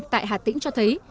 tại hà tĩnh cho thấy